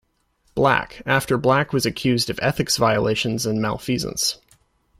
Black, after Black was accused of ethics violations and malfeasance.